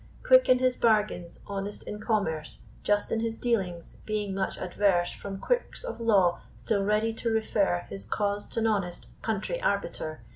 Quick in his bargains, honest in commerce, Just in his dealings, being much adverse From quirks of law, still ready to refer His cause t' an honest country arbiter.